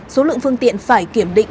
số lượng phương tiện phải kiểm định